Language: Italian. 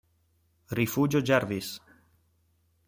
Rifugio Jervis